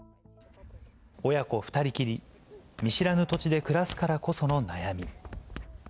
親子２人きり、見知らぬ土地で暮らすからこその悩み。